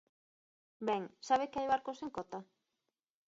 Ben, ¿sabe que hai barcos sen cota?